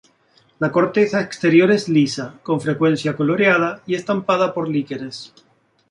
La corteza exterior es lisa, con frecuencia coloreada y estampada por líquenes.